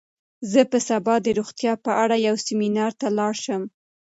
زه به سبا د روغتیا په اړه یو سیمینار ته لاړ شم.